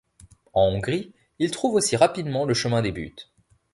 En Hongrie, il trouve aussi rapidement le chemin des buts.